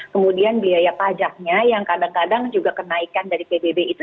kemudian biaya pajaknya yang kadang kadang juga kenaikan dari pbb itu